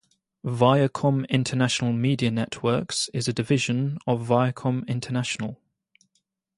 Viacom International Media Networks is a division of Viacom International.